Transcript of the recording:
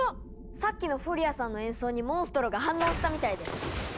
さっきのフォリアさんの演奏にモンストロが反応したみたいです！